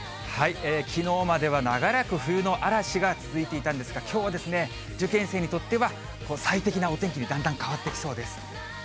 きのうまでは長らく冬の嵐が続いていたんですが、きょうは受験生にとっては、最適なお天気に、だんだん変わってきそうです。